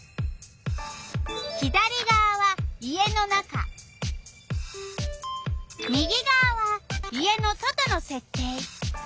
左がわは家の中右がわは家の外のせっ定。